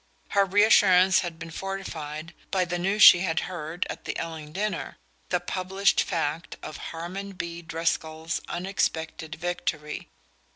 Her reassurance had been fortified by the news she had heard at the Elling dinner the published fact of Harmon B. Driscoll's unexpected victory.